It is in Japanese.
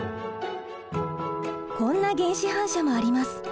こんな原始反射もあります。